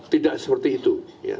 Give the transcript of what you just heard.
tidak seperti itu